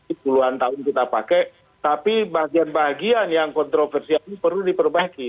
ini puluhan tahun kita pakai tapi bagian bagian yang kontroversial ini perlu diperbaiki